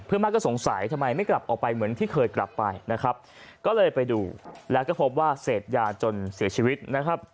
มากก็สงสัยทำไมไม่กลับออกไปเหมือนที่เคยกลับไปนะครับก็เลยไปดูแล้วก็พบว่าเสพยาจนเสียชีวิตนะครับ